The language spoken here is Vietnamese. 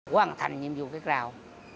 quản thành nhiệm vụ phép rào